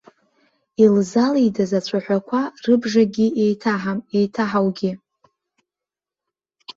Илзалидаз ацәаҳәақәа рыбжакгьы еиҭаҳам, еиҭаҳаугьы.